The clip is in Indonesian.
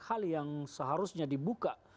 hal yang seharusnya dibuka